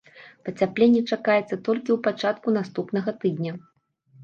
Пацяпленне чакаецца толькі ў пачатку наступнага тыдня.